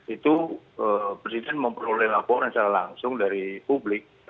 itu presiden memperoleh laporan secara langsung dari publik